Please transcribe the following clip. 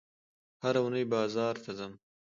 هره اونۍ بازار ته ځم